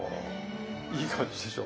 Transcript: いい感じでしょ？